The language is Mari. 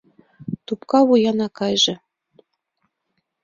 Тупка вуян акайже